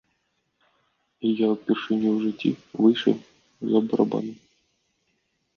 І я ўпершыню ў жыцці выйшаў з-за барабанаў!